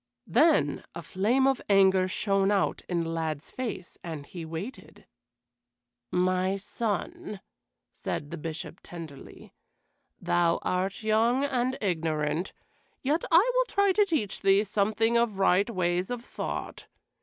Then a flame of anger shone out in the lad's face, and he waited. "My son," said the Bishop tenderly, "thou art young and ignorant, yet will I try to teach thee something of right ways of thought.